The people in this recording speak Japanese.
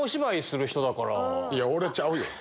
いや俺ちゃうよ。